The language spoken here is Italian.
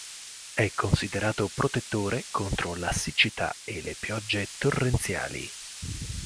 È considerato protettore contro la siccità e le piogge torrenziali.